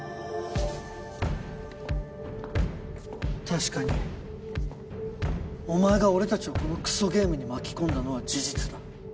確かにお前が俺たちをこのクソゲームに巻き込んだのは事実だ。